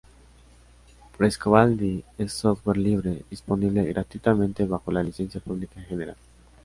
Frescobaldi es software libre, disponible gratuitamente bajo la Licencia Pública General.